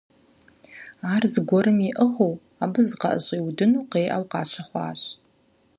Ар зыгуэрым иӀыгъыу абы зыкъыӀэщӏиудыну къеӀэу къащыхъуащ.